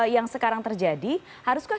yang sekarang terjadi haruskah